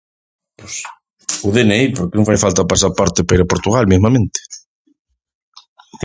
Pois o de ene i porque non fai falta o pasaporte para ir a Portughal, mismamente.